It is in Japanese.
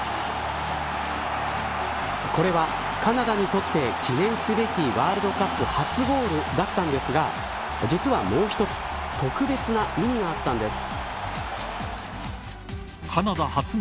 これは、カナダにとって記念すべきワールドカップ初ゴールだったんですが、実はもう一つ特別な意味があったんです。